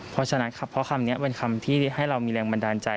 เพราะฉะนั้นเพราะคำนี้เป็นคำที่ให้เรามีแรงบันดาลใจ